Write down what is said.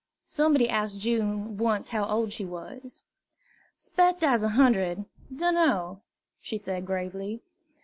Somebody asked June once how old she was. "'Spect I's a hundred, dunno," she said gravely.